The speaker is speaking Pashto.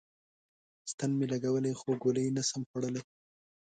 ستن می لګولی خو ګولی نسم خوړلای